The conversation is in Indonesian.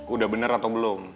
udah bener atau belum